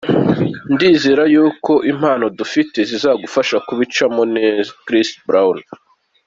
Ndizera ko impano dufite zizadufasha kubicamo neza”, Chris Brown.